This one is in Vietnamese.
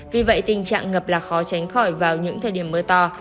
vì vậy tình trạng ngập là khó tránh khỏi vào những thời điểm mưa to